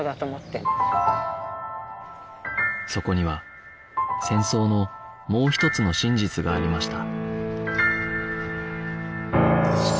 そこには戦争のもう一つの真実がありました